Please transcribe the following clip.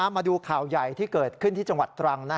มาดูข่าวใหญ่ที่เกิดขึ้นที่จังหวัดตรัง